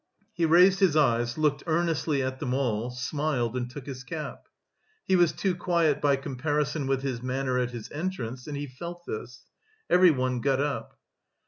He raised his eyes, looked earnestly at them all, smiled, and took his cap. He was too quiet by comparison with his manner at his entrance, and he felt this. Everyone got up.